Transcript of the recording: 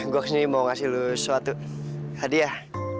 gue kesini mau kasih loe suatu hadiah